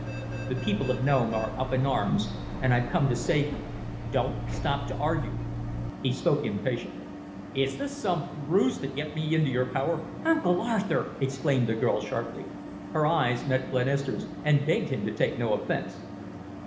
"The people of Nome are up in arms, and I've come to save you. Don't stop to argue." He spoke impatiently. "Is this some r ruse to get me into your power?" "Uncle Arthur!" exclaimed the girl, sharply. Her eyes met Glenister's and begged him to take no offence.